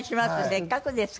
せっかくですから。